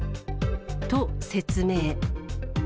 と、説明。